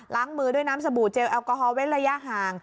มือด้วยน้ำสบู่เจลแอลกอฮอลเว้นระยะห่าง